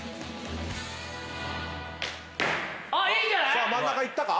さあ真ん中行ったか？